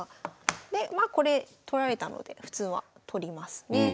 でまあこれ取られたので普通は取りますね。